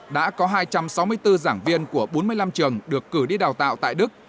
đã có hai trăm sáu mươi bốn giảng viên của bốn mươi năm trường được cử đi đào tạo tại đức